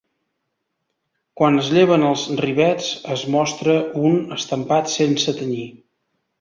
Quan es lleven els rivets es mostra un estampat sense tenyir.